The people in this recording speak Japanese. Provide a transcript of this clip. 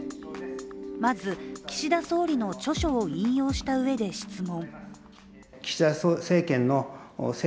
まず岸田総理の著書を引用したうえで質問。